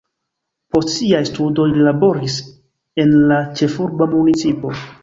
Post siaj studoj li laboris en la ĉefurba municipo.